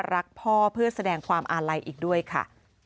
รักพ่อเพื่อแสดงความอาลัยอีกด้วยค่ะ